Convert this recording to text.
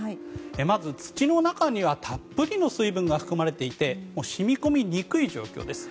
まず、土の中にはたっぷりの水分が含まれていて染み込みにくい状況です。